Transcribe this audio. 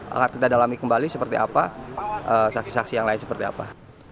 akan kita dalami kembali seperti apa saksi saksi yang lain seperti apa